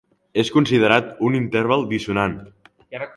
És considerat un interval dissonant.